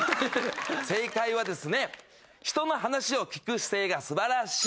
正解はですね人の話を聞く姿勢が素晴らしい